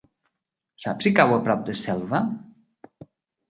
Saps si cau a prop de Selva?